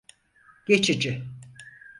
Geçici.